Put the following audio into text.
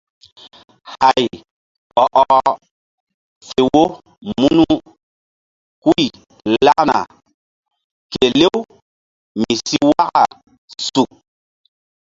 Hay ɔ ɔh fe wo munu huy lakna kelew mi si waka suk.